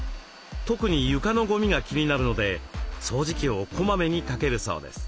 特に床のごみが気になるので掃除機をこまめにかけるそうです。